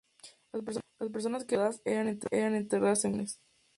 Las personas que eran ejecutadas eran enterradas en fosas comunes.